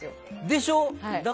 でしょ？